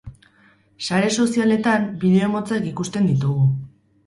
Sare sozialetan bideo motzak ikusten ditugu.